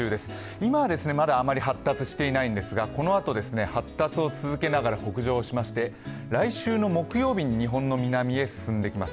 今はまだあまり発達していないんですが、このあと発達を続けながら北上を続けまして、来週の木曜日に日本の南へ進んでいきます。